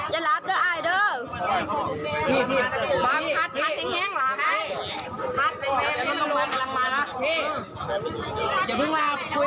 ยืดแถวนี่ละ